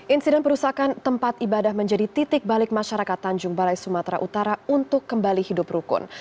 insiden perusahaan tempat ibadah menjadi titik balik masyarakat tanjung balai sumatera utara untuk kembali hidup rukun